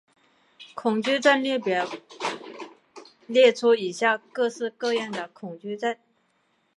恐惧症列表列出以下各式各样的恐惧症。